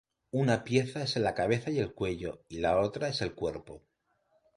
Una pieza es la cabeza y el cuello y la otra es el cuerpo.